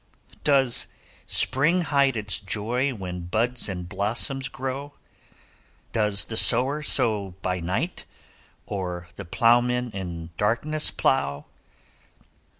'Does spring hide its joy, When buds and blossoms grow? Does the sower Sow by night, Or the ploughman in darkness plough?